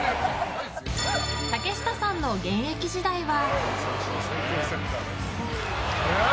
竹下さんの現役時代は。